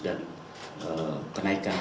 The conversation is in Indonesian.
dan kenaikan itu